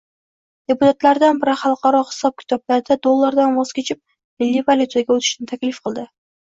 Deputatlardan biri xalqaro hisob -kitoblarda dollardan voz kechib, milliy valyutaga o'tishni taklif qildi